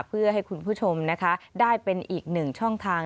เพื่อให้คุณผู้ชมนะคะได้เป็นอีกหนึ่งช่องทาง